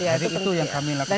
jadi itu yang kami lakukan